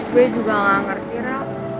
gue juga gak ngerti rak